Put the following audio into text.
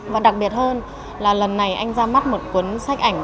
và đặc biệt hơn là lần này anh ra mắt một cuốn sách ảnh